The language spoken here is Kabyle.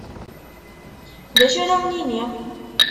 D acu ara wen-iniɣ?